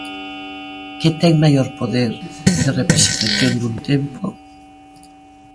Que ten maior poder de representación dun tempo?